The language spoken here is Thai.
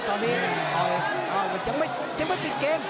ตอนนี้ยังไม่ปิดเกม